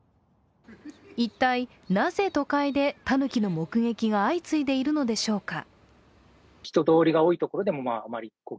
一体、なぜ都会でたぬきの目撃が相次いでいるのでしょうか？